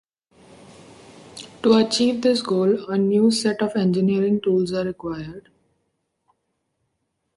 To achieve this goal, a new set of engineering tools are needed.